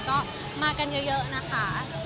ก็มากันเยอะนะคะ